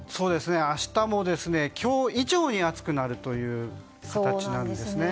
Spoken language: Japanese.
明日も今日以上に暑くなるという形ですね。